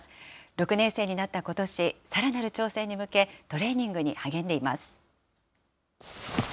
６年生になったことし、さらなる挑戦に向け、トレーニングに励んでいます。